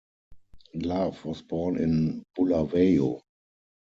Love was born in Bulawayo.